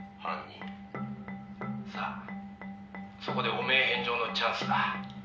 「さあそこで汚名返上のチャンスだ」